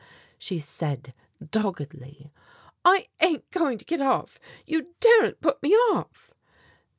she said doggedly; "I ain't going to get off, you daren't put me off!"